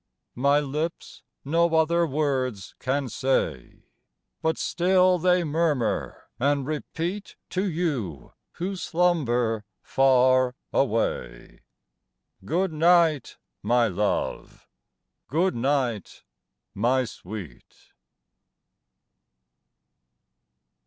My lips no other words can say, But still they murmur and repeat To you, who slumber far away, Good night, my love! good night, my sweet!